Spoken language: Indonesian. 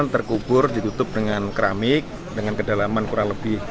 terkubur ditutup dengan keramik dengan kedalaman kurang lebih lima puluh cm